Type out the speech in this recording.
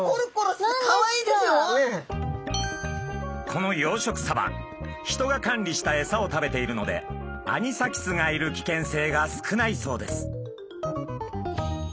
この養殖サバ人が管理した餌を食べているのでアニサキスがいる危険性が少ないそうです。